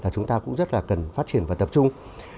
chúng ta cũng rất là cần phát triển và tập trung